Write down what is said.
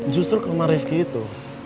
justru ke rumah rizky itu